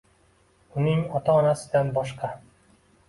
Uning ota-onasidan boshqa.